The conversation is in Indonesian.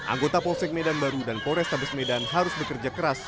anggota polsek medan baru dan polrestabes medan harus bekerja keras